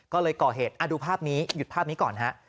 ก็เลยก่อเหตุดูภาพนี้หยุดภาพนี้ก่อนฮะ